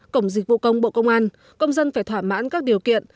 cổng dịch vụ công bộ công an công dân phải thỏa mãn các điều kiện